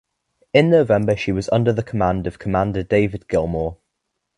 In November she was under the command of Commander David Gilmour.